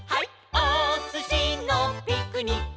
おすしのピクニック」